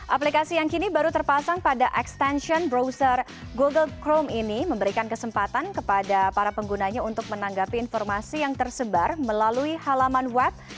aplikasi yang kini baru terpasang pada extension browser google chrome ini memberikan kesempatan kepada para penggunanya untuk menanggapi informasi yang tersebar melalui halaman web